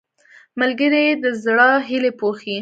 ملګری د زړه هیلې پوښي